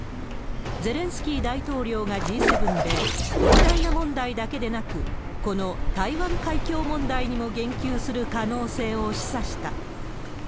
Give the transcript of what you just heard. ゼレンスキー大統領がＧ７で、ウクライナ問題だけでなく、この台湾海峡問題にも言及する可能性を示唆した。